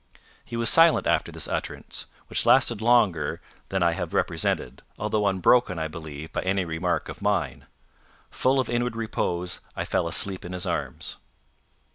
He was silent after this utterance, which lasted longer than I have represented, although unbroken, I believe, by any remark of mine. Full of inward repose, I fell asleep in his arms.